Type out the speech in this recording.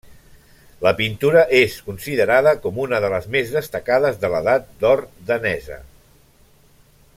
La pintura és considerada com una de les més destacades de l'Edat d'or danesa.